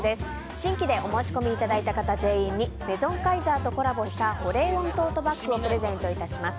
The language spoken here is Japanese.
新規でお申し込みいただいた方全員にメゾンカイザーとコラボした保冷温トートバッグをプレゼントいたします。